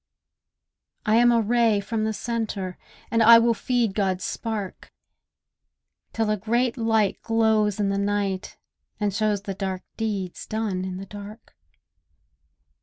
I am a ray from the centre; And I will feed God's spark, Till a great light glows in the night and shows The dark deeds done in the dark.